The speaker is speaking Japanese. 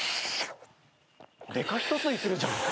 デカ一吸いするじゃん。